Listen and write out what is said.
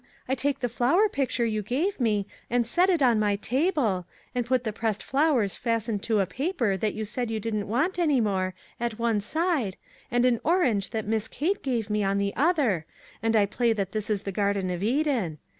I take the flower picture you gave me and set it on my table, and put the pressed flowers fastened to a paper that you said you didn't want any more, at one side, and an orange that Miss Kate gave me on the other, and I play that that is the garden of Eden.